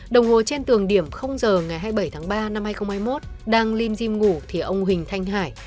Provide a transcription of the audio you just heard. đồng hồ trên tường điểm giờ ngày hai mươi bảy tháng ba năm hai nghìn hai mươi một đang lim diêm ngủ thì ông huỳnh thanh hải